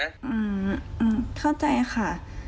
อืมเข้าใจค่ะ